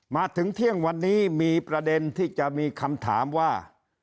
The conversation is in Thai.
มาถึงเที่ยงวันนี้มีประเด็นที่จะมีคำถามว่า